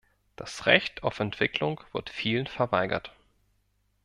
Das Recht auf Entwicklung wird vielen verweigert.